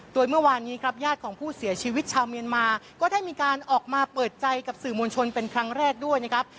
โดยเมื่อวานนี้ครับญาติของผู้เสียชีวิตชาวเมียนมาก็ได้มีการออกมาเปิดใจกับสื่อมวลชนเป็นครั้งแรกด้วยนะครับ